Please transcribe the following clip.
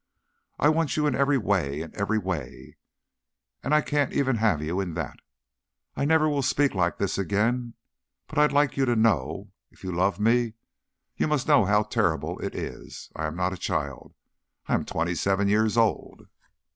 I want you in every way! in every way! And I can't even have you in that. I never will speak like this again, but I'd like you to know. If you love me, you must know how terrible it is. I am not a child. I am twenty seven years old."